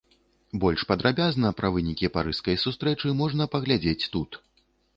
Больш падрабязна пра вынікі парыжскай сустрэчы можна паглядзець тут.